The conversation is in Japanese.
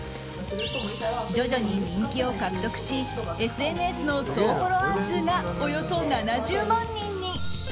徐々に人気を獲得しＳＮＳの総フォロワー数がおよそ７０万人に。